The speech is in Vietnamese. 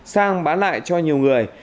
sang bán lại cho nhiều người